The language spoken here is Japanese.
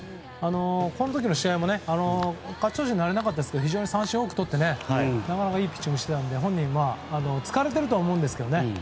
この時の試合も勝ち投手になれませんでしたが非常に三振を多くとってなかなかいいピッチングしてたので本人は、疲れているとは思うんですけどね